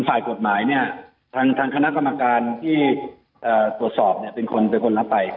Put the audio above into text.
ฝ่ายกฎหมายเนี่ยทางคณะกรรมการที่ตรวจสอบเนี่ยเป็นคนเป็นคนรับไป